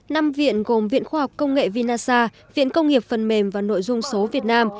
năm viện gồm viện khoa học công nghệ vinasa viện công nghiệp phần mềm và nội dung số việt nam